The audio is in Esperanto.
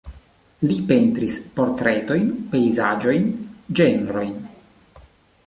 Li pentris portretojn, pejzaĝojn, ĝenrojn.